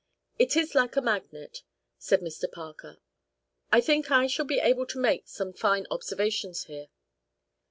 "It is like a magnet," said Mr. Parker. "I think I shall be able to make some fine observations here."